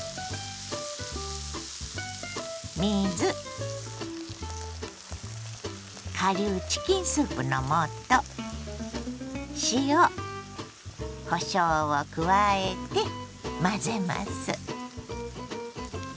水顆粒チキンスープの素塩こしょうを加えて混ぜます。